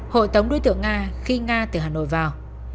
hội tống đối tượng nga khi nga từ hà nội vào